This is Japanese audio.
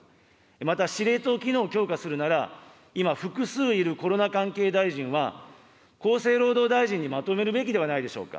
また司令塔機能を強化するなら、今、複数いるコロナ関係大臣は、厚生労働大臣にまとめるべきではないでしょうか。